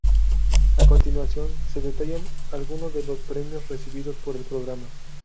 A continuación, se detallan alguno de los premios recibidos por el programa.